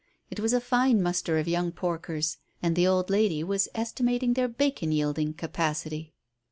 It was a fine muster of young porkers, and the old lady was estimating their bacon yielding capacity.